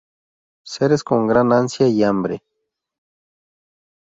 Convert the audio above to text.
Seres con gran ansia y hambre.